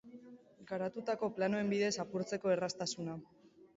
Garatutako planoen bidez apurtzeko erraztasuna.